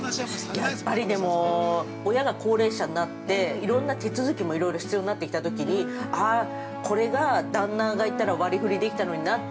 ◆やっぱりでも、親が高齢者になっていろんな手続もいろいろ必要になってきたときにこれが旦那がいたら割振りできたのになって。